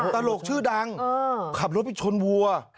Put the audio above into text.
ตลกชื่อดังขับรถไปชนวัว